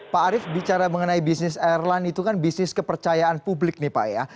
pak arief bicara mengenai bisnis airline itu kan bisnis kepercayaan publik nih pak ya